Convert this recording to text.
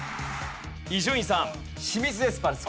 伊集院さん。